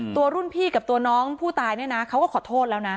ตัวรุ่นพี่กับตัวน้องผู้ตายเนี่ยนะเขาก็ขอโทษแล้วนะ